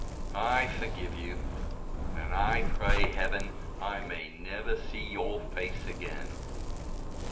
I forgive you, and I pray Heaven I may never see your face again."